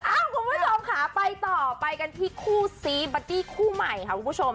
คุณผู้ชมค่ะไปต่อไปกันที่คู่ซีบัตตี้คู่ใหม่ค่ะคุณผู้ชม